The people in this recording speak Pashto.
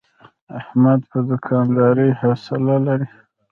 احمد په دوکاندارۍ حوصله لري.